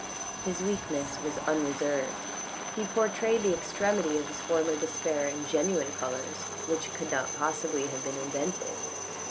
His weakness was unreserved. He portrayed the extremity of his former despair in genuine colours which could not possibly have been invented.